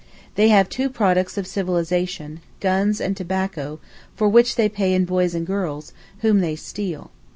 They have two products of civilization—guns and tobacco, for which they pay in boys and girls, whom they steal.